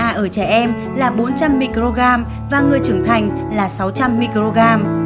nhu cầu hạng ngày về vitamin a ở trẻ em là bốn trăm linh microgram và người trưởng thành là sáu trăm linh microgram